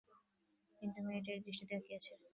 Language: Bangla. কিন্তু মেয়েটি একদৃষ্টিতে তাকিয়ে আছে।